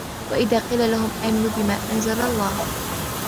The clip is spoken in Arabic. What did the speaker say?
وَإِذَا قِيلَ لَهُمْ آمِنُوا بِمَا أَنْزَلَ اللَّهُ